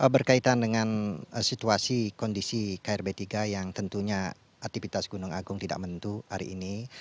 berkaitan dengan situasi kondisi krb tiga yang tentunya aktivitas gunung agung tidak menentu hari ini